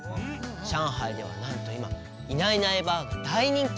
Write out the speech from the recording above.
上海ではなんといま「いないいないばあっ！」が大人気！